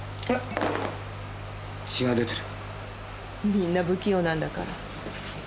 みんな不器用なんだから。